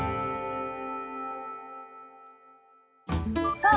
◆さあ